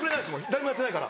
誰もやってないから。